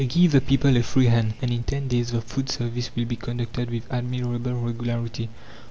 Give the people a free hand, and in ten days the food service will be conducted with admirable regularity.